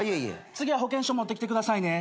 次は保険証持ってきてくださいね。